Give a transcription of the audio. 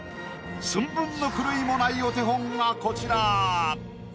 寸分の狂いもないお手本がこちら。